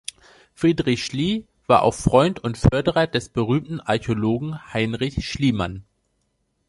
Friedrich Schlie war auch Freund und Förderer des berühmten Archäologen Heinrich Schliemann.